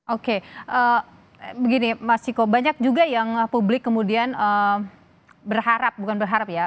oke begini mas ciko banyak juga yang publik kemudian berharap bukan berharap ya